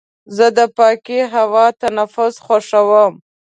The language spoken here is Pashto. زه د پاکې هوا تنفس خوښوم.